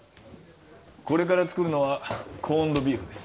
これから作るのはコーンドビーフです